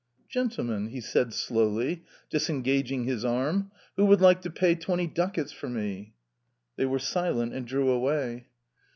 "Gentlemen!" he said slowly, disengaging his arm. "Who would like to pay twenty ducats for me?" They were silent and drew away.